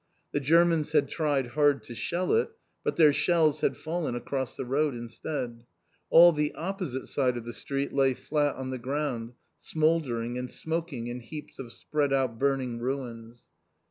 The Germans had tried hard to shell it, but their shells had fallen across the road instead. All the opposite side of the street lay flat on the ground, smouldering, and smoking, in heaps of spread out burning ruins.